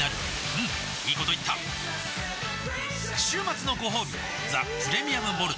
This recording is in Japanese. うんいいこと言った週末のごほうび「ザ・プレミアム・モルツ」